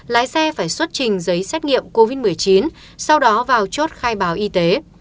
lái xe phải xuất trình giấy xét nghiệm covid một mươi chín sau đó vào chốt khai báo y tế